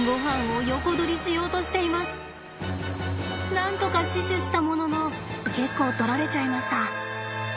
なんとか死守したものの結構とられちゃいました。